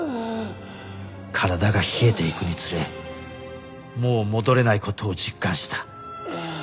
体が冷えていくにつれもう戻れない事を実感した。